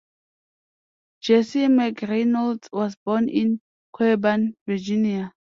Jesse McReynolds was born in Coeburn, Virginia.